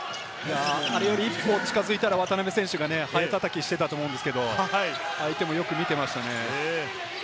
一歩近づいたら渡邊選手がハエたたきしていたと思うんですが、相手もよく見ていましたね。